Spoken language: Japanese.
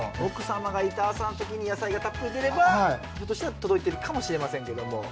奥様がいた朝のときに野菜がたっぷり出ればひょっとしたら届いてるかもしれませんけども。